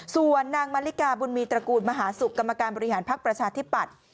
ส่วนนางมาริกาบุญมีตระกูลมหาศุกร์กรรมการบริหารภักดิ์ประชาธิปัตย์